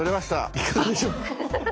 いかがでしょう？